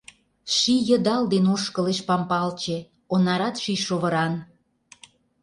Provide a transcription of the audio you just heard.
Ший йыдал ден ошкылеш Пампалче, Онарат ший шовыран.